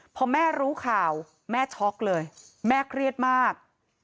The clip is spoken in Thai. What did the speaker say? พอแม่รู้ข่าวแม่ช็อกเลยแม่เครียดมาก